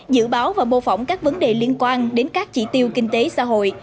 dự báo và mô phỏng các vấn đề liên quan đến các chỉ tiêu kinh tế xã hội